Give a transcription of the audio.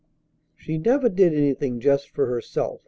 She never did anything just for herself.